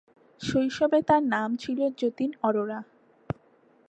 শৈশবে তার নাম ছিল "যতীন অরোরা"।